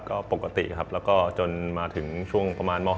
ก็ปกติครับแล้วก็จนมาถึงช่วงประมาณม๕